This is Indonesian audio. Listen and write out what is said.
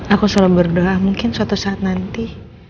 aku selalu berdoa mungkin suatu saat nanti